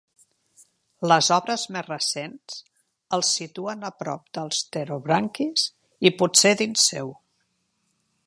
Les obres més recents els situen a prop dels pterobranquis, i potser dins seu.